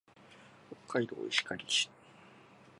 北海道石狩市